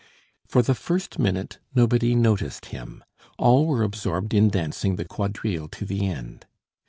For the first minute nobody noticed him; all were absorbed in dancing the quadrille to the end.